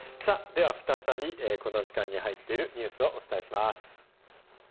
では再び、この時間に入ってるニュースをお伝えします。